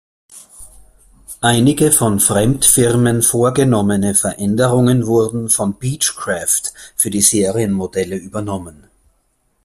Einige von Fremdfirmen vorgenommene Veränderungen wurden von Beechcraft für die Serienmodelle übernommen.